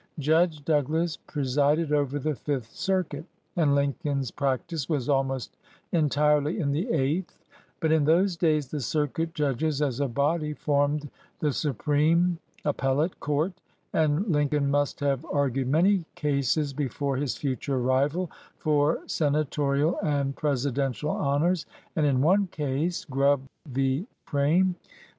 Judge Douglas pre sided over the Fifth Circuit, and Lincoln's prac tice was almost entirely in the Eighth; but in those days the circuit judges, as a body, formed the Supreme (appellate) Court, and Lincoln must have argued many cases before his future rival for Senatorial and presidential honors, and in one case (Grubb v. Crane, 5 Ills.